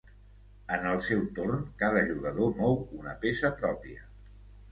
En el seu torn cada jugador mou una peça pròpia.